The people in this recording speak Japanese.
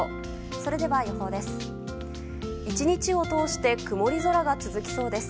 それでは予報です。